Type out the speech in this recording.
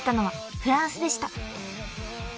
フランスでした］